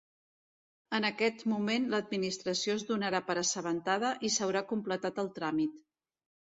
En aquest moment l'Administració es donarà per assabentada i s'haurà completat el tràmit.